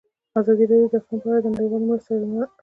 ازادي راډیو د اقلیم په اړه د نړیوالو مرستو ارزونه کړې.